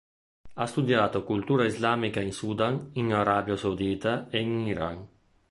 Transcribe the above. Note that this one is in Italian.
Ha studiato cultura islamica in Sudan, in Arabia Saudita e in Iran.